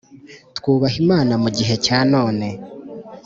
twubaha Imana mu gihe cya none